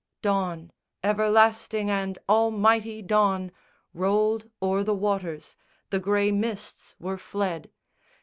Dawn, everlasting and almighty dawn Rolled o'er the waters. The grey mists were fled.